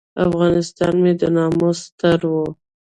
افغانستان مې د ناموس ستر و.